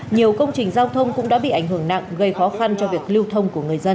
nhiều công trình giao thông cũng đã bị ảnh hưởng nặng gây khó khăn cho việc lưu thông của người dân